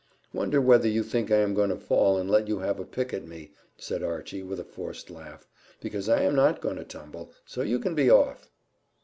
"Wonder whether you think I am going to fall and let you have a pick at me," said Archy, with a forced laugh; "because I am not going to tumble, so you can be off."